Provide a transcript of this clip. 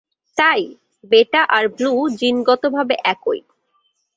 তাই, বেটা আর ব্লু জিনগতভাবে একই।